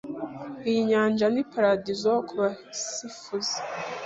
Iyi nyanja ni paradizo kubasifuzi.